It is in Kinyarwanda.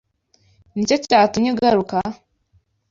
Nicyo cyatumye ugaruka?